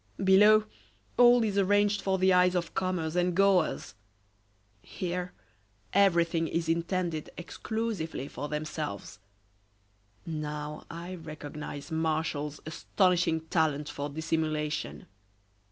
Below, all is arranged for the eyes of comers and goers. Here, everything is intended exclusively for themselves. Now, I recognize Martial's astonishing talent for dissimulation.